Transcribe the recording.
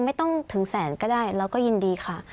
ไม่ต้องถึงแสนก็ได้เราก็ยินดีค่ะ